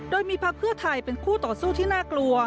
โดยมีพักเพื่อไทยเป็นคู่ต่อสู้ที่น่ากลัว